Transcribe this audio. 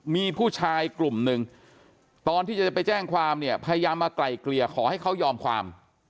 มีผู้ชายกลุ่มหนึ่งตอนที่จะไปแจ้งความเนี่ยพยายามมาไกลเกลี่ยขอให้เขายอมความ